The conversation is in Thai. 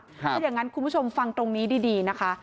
ถ้าอย่างนั้นคุณผู้ชมฟังตรงนี้ดีนะคะ